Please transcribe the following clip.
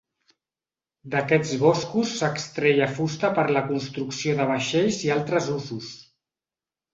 D'aquests boscos s'extreia fusta per la construcció de vaixells i altres usos.